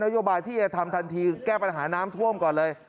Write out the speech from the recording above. โยบายที่จะทำทันทีแก้ปัญหาน้ำท่วมก่อนเลย